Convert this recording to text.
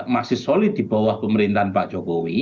masih solid di bawah pemerintahan pak jokowi